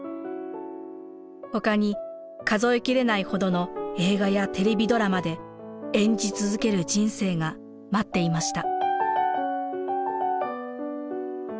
ほかに数え切れないほどの映画やテレビドラマで演じ続ける人生が待っていました。